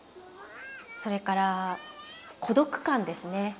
それから孤独感ですね。